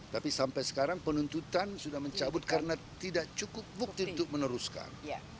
tapi sampai sekarang penuntutan sudah mencabut karena tidak cukup bukti untuk meneruskan